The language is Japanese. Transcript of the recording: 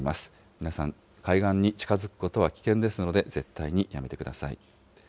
皆さん、海岸に近づくことは危険ですので、絶対にやめてください。